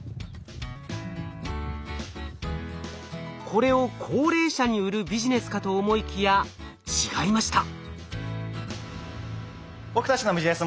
これを高齢者に売るビジネスかと思いきや違いました。